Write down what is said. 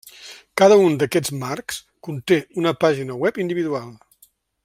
Cada un d'aquests marcs conté una pàgina web individual.